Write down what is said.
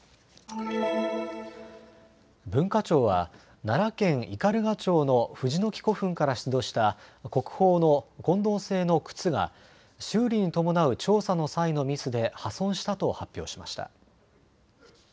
文化庁は奈良県斑鳩町の藤ノ木古墳から出土した国宝の金銅製のくつが修理に伴う調査の際のミスで破損したと発表しました。